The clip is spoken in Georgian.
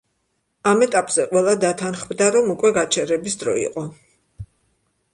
ამ ეტაპზე ყველა დათანხმდა, რომ უკვე გაჩერების დრო იყო.